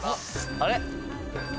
あれ？